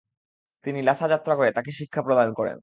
তিনি লাসা যাত্রা করে তাকে শিক্ষা প্রদান করেন।